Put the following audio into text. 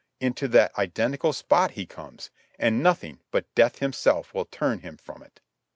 ! into that identical spot he comes, and nothing but Death himself will turn him from it!